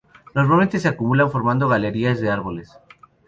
Normalmente se acumulan formando galerías de árboles.